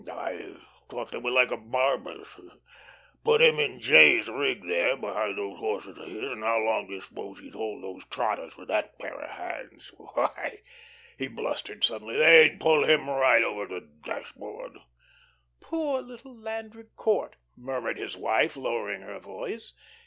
"I thought they were like a barber's. Put him in 'J.'s' rig there, behind those horses of his, and how long do you suppose he'd hold those trotters with that pair of hands? Why," he blustered, suddenly, "they'd pull him right over the dashboard." "Poor little Landry Court!" murmured his wife, lowering her voice.